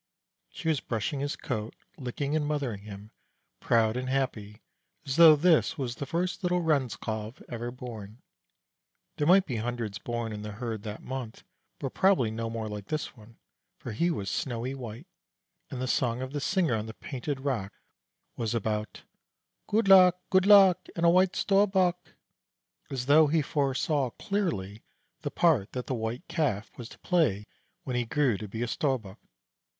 She was brushing his coat, licking and mothering him, proud and happy as though this was the first little Renskalv ever born. There might be hundreds born in the herd that month, but probably no more like this one, for he was snowy white, and the song of the singer on the painted rock was about Good luck, good luck, And a White Storbuk, as though he foresaw clearly the part that the White Calf was to play when he grew to be a Storbuk.